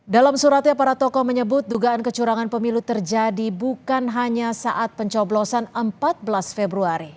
dalam suratnya para tokoh menyebut dugaan kecurangan pemilu terjadi bukan hanya saat pencoblosan empat belas februari